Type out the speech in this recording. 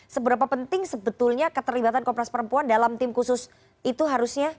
seberapa penting sebetulnya keterlibatan kopas perempuan dalam tim khusus itu harusnya